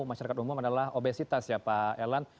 masyarakat umum adalah obesitas ya pak elan